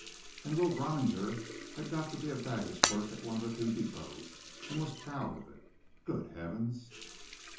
And Will Groniger had got to be a baggage clerk at one of the two depots and was proud of it. Good Heavens!